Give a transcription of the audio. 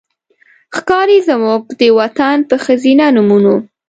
ښکاري زموږ د وطن په ښځېنه نومونو